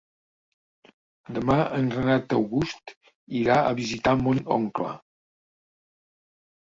Demà en Renat August irà a visitar mon oncle.